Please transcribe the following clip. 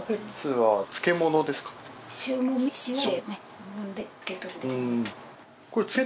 はい。